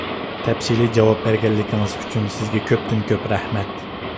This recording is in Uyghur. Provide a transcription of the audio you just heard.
تەپسىلىي جاۋاب بەرگەنلىكىڭىز ئۈچۈن سىزگە كۆپتىن-كۆپ رەھمەت!